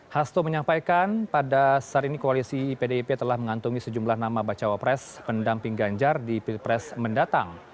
hasto menyampaikan pada saat ini koalisi pdip telah mengantungi sejumlah nama bacawa pres pendamping ganjar di pilpres mendatang